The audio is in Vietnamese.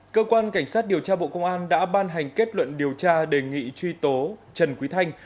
cơ quan cảnh sát điều tra bộ công an đã ban hành kết luận điều tra đề nghị truy tố trần quý thanh